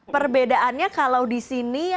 perbedaannya kalau di sini